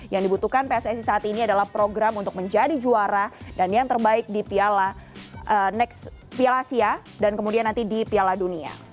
yang dibutuhkan pssi saat ini adalah program untuk menjadi juara dan yang terbaik di piala asia dan kemudian nanti di piala dunia